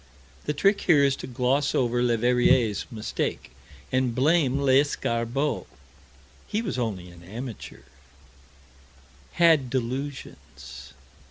The trick here is to gloss over Leverrier's mistake, and blame Lescarbault he was only an amateur had delusions.